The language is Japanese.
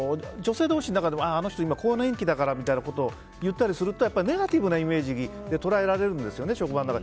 女性同士の中でもあの人、更年期だからみたいなことを言ったりするとネガティブなイメージに捉えられるんですよね、職場で。